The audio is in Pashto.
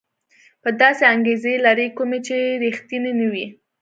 یا داسې انګېزې لري کومې چې ريښتيني نه وي.